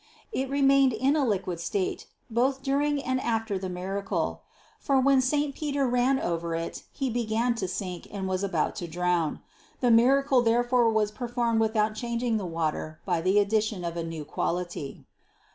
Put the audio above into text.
It remained in a liquid state both during and after the miracle; for when saint Peter ran over it, he began to sink and was about to drown. The miracle therefore was performed without changing the water by the addition of a new quality.